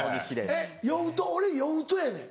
えっ俺酔うとやねん。